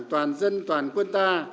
toàn dân toàn quân ta